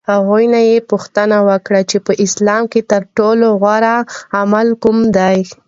هغوی نه یې پوښتنه وکړه چې په اسلام کې ترټولو غوره عمل کوم دی؟